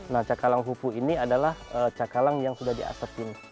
nah cakalang kuku ini adalah cakalang yang sudah diasepin